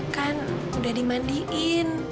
kan udah dimandiin